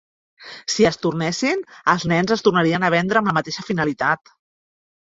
Si es tornessin, els nens es tornarien a vendre amb la mateixa finalitat.